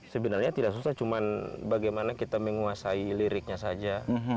sebenarnya tidak susah cuma bagaimana kita menguasai liriknya saja